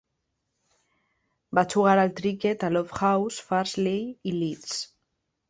Va jugar al criquet a Lofthouse, Farsley i Leeds.